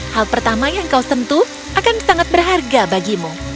hal pertama yang kau sentuh akan sangat berharga bagimu